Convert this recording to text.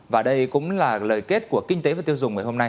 và đây cũng là lời kết của kinh tế và tiêu diệt